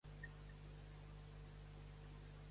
Ray Michael McCallum, Jr.